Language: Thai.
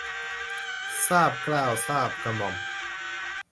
ทราบเกล้าทราบกระหม่อม